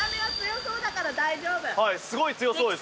すごい強そうです。